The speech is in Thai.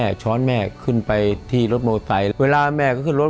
ผมอยากจะหารถสันเร็งสักครั้งนึงคือเอาเอาหมอนหรือที่นอนอ่ะมาลองเขาไม่เจ็บปวดครับ